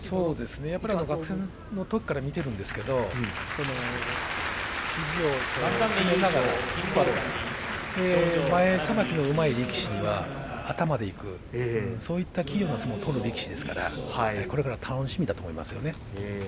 学生のときから見ているんですけど肘を締めながら前さばきのうまい力士には頭でいくそういった器用な相撲を取る力士ですから、これから楽しみだと思いますよね。